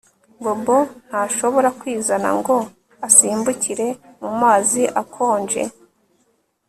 Bobo ntashobora kwizana ngo asimbukire mumazi akonje